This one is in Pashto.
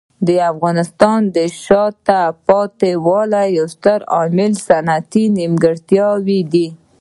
د افغانستان د شاته پاتې والي یو ستر عامل صنعتي نیمګړتیاوې دي.